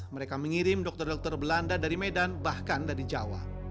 mereka mengirim dokter dokter belanda dari medan bahkan dari jawa